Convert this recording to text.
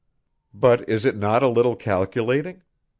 "But is it not a little calculating?